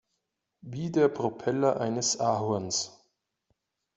Wie der Propeller eines Ahorns.